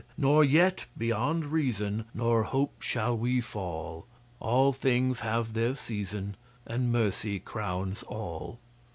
Nor yet beyond reason Nor hope shall we fall All things have their season, And Mercy crowns all.